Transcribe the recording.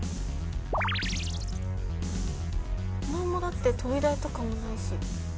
まんまだって跳び台とかもないし。